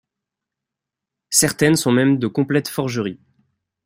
Certaines sont mêmes de complètes forgeries.